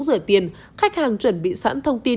rửa tiền khách hàng chuẩn bị sẵn thông tin